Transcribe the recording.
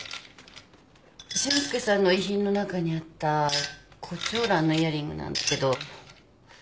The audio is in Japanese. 俊介さんの遺品の中にあったコチョウランのイヤリングなんだけど。